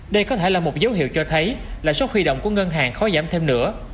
đây có thể là một dấu hiệu cho thấy lãi suất huy động của ngân hàng khó giảm thêm nữa